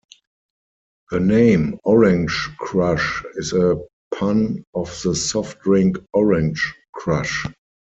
The name Orange Krush is a pun of the soft drink Orange Crush.